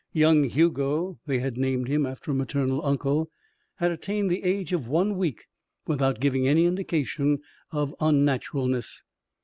Young Hugo they had named him after a maternal uncle had attained the age of one week without giving any indication of unnaturalness.